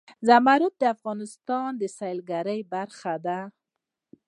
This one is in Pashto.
زمرد د افغانستان د سیلګرۍ برخه ده.